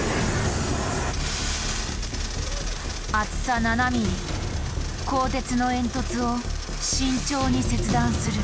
厚さ７ｍｍ鋼鉄の煙突を慎重に切断する。